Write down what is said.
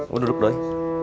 mau duduk doi